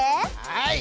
はい。